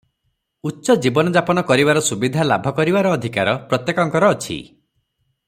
ଉଚ୍ଚ ଜୀବନଯାପନ କରିବାର ସୁବିଧା ଲାଭ କରିବାର ଅଧିକାର ପ୍ରତ୍ୟେକଙ୍କର ଅଛି ।